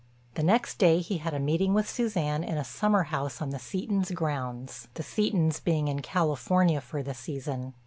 The next day he had a meeting with Suzanne in a summer house on the Setons' grounds, the Setons being in California for the season.